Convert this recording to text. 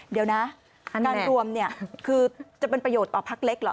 เดี๋ยวนะการรวมเนี่ยคือจะเป็นประโยชน์ต่อพักเล็กเหรอ